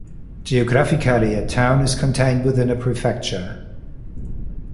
Geographically, a town is contained within a prefecture.